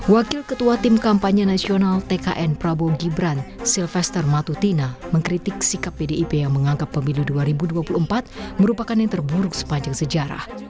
wakil ketua tim kampanye nasional tkn prabowo gibran sylvester matutina mengkritik sikap pdip yang menganggap pemilu dua ribu dua puluh empat merupakan yang terburuk sepanjang sejarah